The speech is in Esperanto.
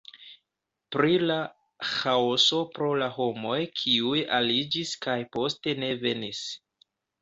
Pri la ĥaoso pro la homoj, kiuj aliĝis kaj poste ne venis.